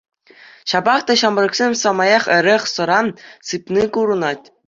Ҫапах та ҫамрӑксем самаях эрех-сӑра сыпни курӑнать.